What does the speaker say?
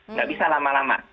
tidak bisa lama lama